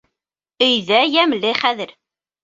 Өйҙә йәмле хәҙер.